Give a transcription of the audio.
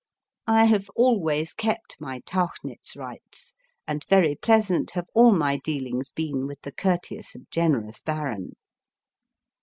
I have always kept my Tauchnitz rights, and very pleasant have all my dealings been with the courteous and generous Baron.